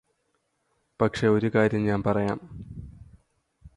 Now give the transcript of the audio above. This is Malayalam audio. പക്ഷേ ഒരു കാര്യം ഞാന് പറയാം